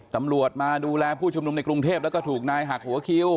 ตำรวจมาดูแลผู้ชุมนุมในกรุงเทพแล้วก็ถูกนายหักหัวคิว